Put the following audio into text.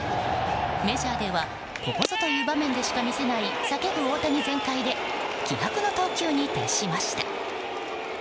メジャーではここぞという場面でしか見せない叫ぶ大谷全開で気迫の投球に徹しました。